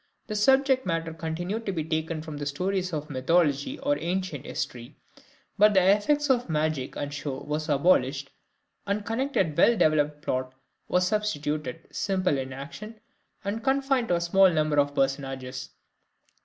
The subject matter continued to be taken from the stories of mythology or ancient history; but effects of magic and show were abolished, and a connected well developed plot was substituted, simple in action, and confined to a small number of personages.